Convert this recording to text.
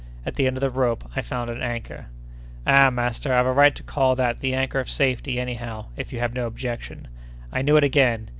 At the end of the rope, I found an anchor! Ah, master, I've a right to call that the anchor of safety, anyhow, if you have no objection. I knew it again!